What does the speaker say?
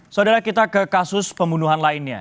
saudara kita ke kasus pembunuhan lainnya